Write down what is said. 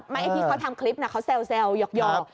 ไอ้ที่เขาทำคลิปเขาแซวหยอก